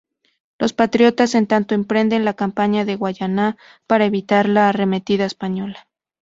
Los patriotas en tanto emprenden la Campaña de Guayana para evitar la arremetida española.